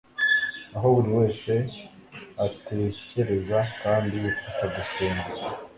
Aho buri wese atekereza kandi akagusenga